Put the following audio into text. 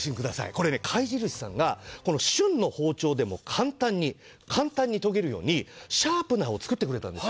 これね、貝印さんが旬の包丁でも簡単に研げるようにシャープナーを作ってくれたんです。